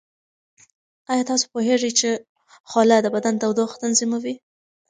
ایا تاسو پوهیږئ چې خوله د بدن تودوخه تنظیموي؟